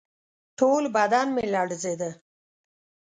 ټول بدن یې لړزېده.